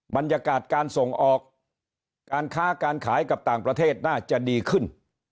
บรรยากาศการส่งออกการค้าการขายกับต่างประเทศน่าจะดีขึ้น